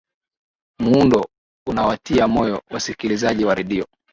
muundo unawatia moyo wasikilizaji wa redio